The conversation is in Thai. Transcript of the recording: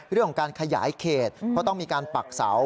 เรื่องของการขยายเขตเพราะต้องมีการปักเสา